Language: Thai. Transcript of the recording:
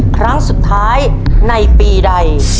ครั้งสุดท้ายในปีใด